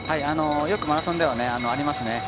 よくマラソンではありますね。